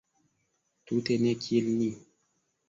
Tute ne kiel ni!